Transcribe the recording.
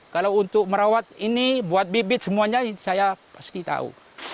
kalau untuk merawat ini buat bibit semuanya saya pasti tahu